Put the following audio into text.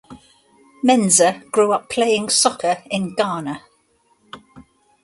Mensah grew up playing soccer in Ghana.